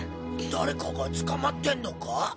誰かが捕まってんのか？